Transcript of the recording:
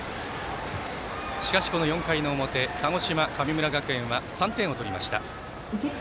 しかし、この４回の表鹿児島、神村学園は３点を取りました。